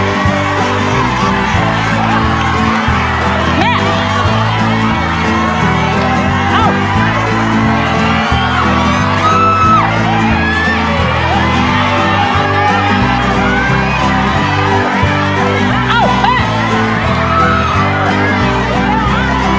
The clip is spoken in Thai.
หนึ่งสองสามสี่ห้าหกเจ็ด